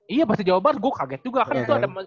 iya pas di jawa barat gua kaget juga kan itu ada